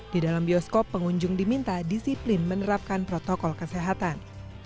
di dalam bioskop pengunjung diminta disiplin menerapkan protokol kesehatan